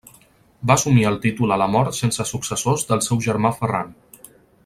Va assumir el títol a la mort sense successors del seu germà Ferran.